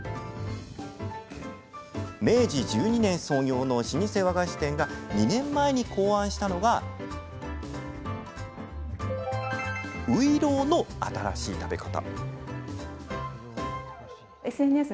明治１２年創業の老舗和菓子店が２年前に考案したのがういろうの新しい食べ方。